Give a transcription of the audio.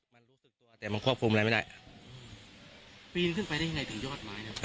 มันรู้สึกตัวแต่มันควบคุมอะไรไม่ได้ปีนขึ้นไปได้ยังไงถึงยอดไม้ครับ